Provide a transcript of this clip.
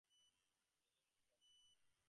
সেইজন্যই তো আসিয়াছি।